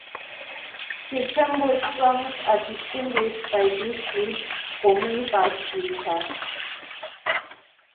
Chimbetu's songs are distinguished by this deep, booming bass guitar.